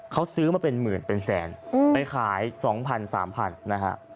เขาซื้อมาเป็นหมื่นเป็นแสนไปขายสองพันสามพันนะฮะ